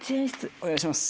お願いします。